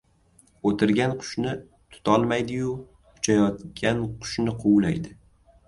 • O‘tirgan qushni tutolmaydiyu, uchayogan qushni quvlaydi.